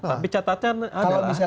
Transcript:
tapi catatannya adalah